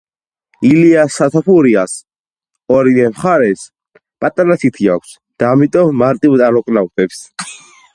ჩრდილოეთ სათოფურის ორივე მხარეს თითო პატარა, შეისრულთაღიანი თახჩაა.